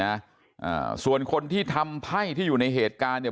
อ่าส่วนคนที่ทำไพ่ที่อยู่ในเหตุการณ์เนี่ย